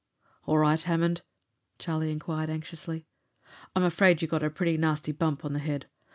"All right, Hammond?" Charlie inquired anxiously. "I'm afraid you got a pretty nasty bump on the head.